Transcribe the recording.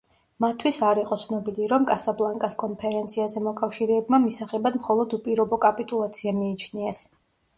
მათთვის არ იყო ცნობილი, რომ კასაბლანკას კონფერენციაზე მოკავშირეებმა მისაღებად მხოლოდ უპირობო კაპიტულაცია მიიჩნიეს.